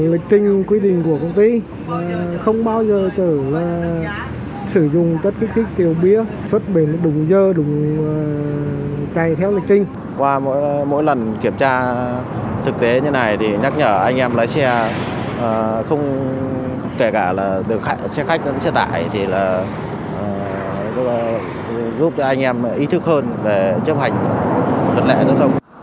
và giúp cho anh em ý thức hơn về chấp hành luật lẽ giao thông